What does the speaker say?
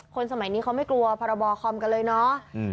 สมัยนี้เขาไม่กลัวพรบคอมกันเลยเนาะ